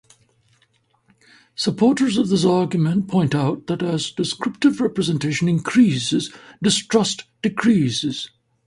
Supporters of this argument point out that as descriptive representation increases, distrust decreases.